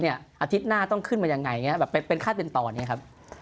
อาทิตย์หน้าต้องขึ้นมายังไงแบบเป็นขั้นเป็นตอนอย่างนี้ครับ